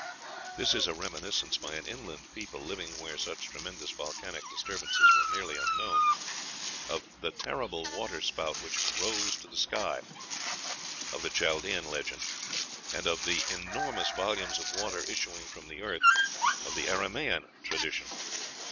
This is a reminiscence by an inland people, living where such tremendous volcanic disturbances were nearly unknown, of the terrible water spout which "rose to the sky," of the Chaldean legend, and of "the enormous volumes of water issuing from the earth" of the Aramæan tradition.